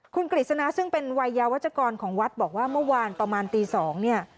คุณกฤษณาซึ่งเป็นวัยยาวัชกรของวัดบอกว่าเมื่อวานประมาณตี๒เนี่ย